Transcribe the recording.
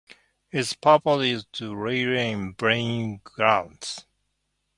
Its purpose is to regulate burial grounds.